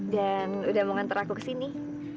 dan udah mau nganter aku kesini